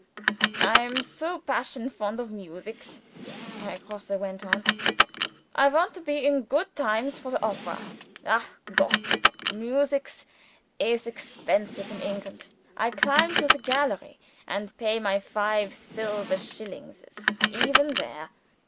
"I am so passion fond of musics," Herr Grosse went on "I want to be in goot times for the opera. Ach Gott! musics is expensive in England! I climb to the gallery, and pay my five silver shillingses even there.